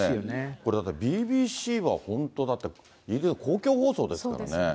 これ、ＢＢＣは本当、だって、イギリスの公共放送ですからね。